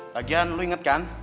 lagian lu inget kan